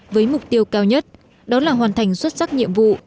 với mục tiêu cao nhất đó là hoàn thành xuất sắc nhiệm vụ